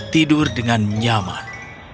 tidur dengan nyaman